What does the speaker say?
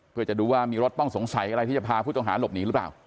เพื่อจะดูว่ามีรถต้องสงสัยอะไรที่จะพาผู้ต้องหาหลบหนีหรือเปล่า